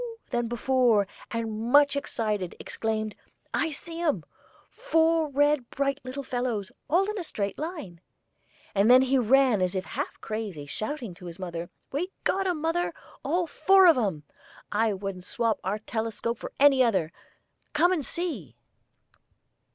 than before, and, much excited, exclaimed: "I see 'em: four red bright little fellows, all in a straight line," and then he ran as if half crazy, shouting, to his mother: "We got 'em, mother, all four of 'em! I wouldn't swap our telescope for any other. Come and see!"